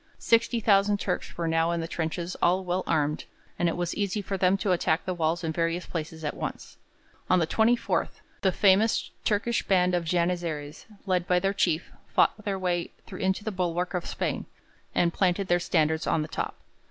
Sixty thousand Turks were now in the trenches all well armed, and it was easy for them to attack the walls in various places at once. On the 24th the famous Turkish band of Janizaries, led by their chief, fought their way into the bulwark of Spain, and planted their standards on the top.